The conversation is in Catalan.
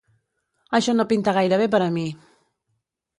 Això no pinta gaire bé per a mi!